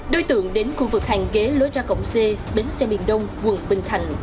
đối tượng đến khu vực hàng ghế lối ra cổng c bến xe miền đông quận bình thạnh